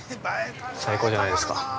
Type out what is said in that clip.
◆最高じゃないですか。